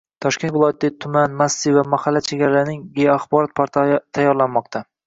Toshkent viloyatidagi tuman, massiv va mahalla chegaralarining geoaxborot portali tayyorlanmoqda